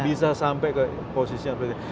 bisa sampai ke posisi yang penting